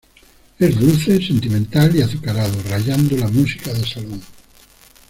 Es dulce, sentimental, y azucarado; rayando la música de salón.